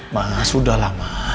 ma sudahlah ma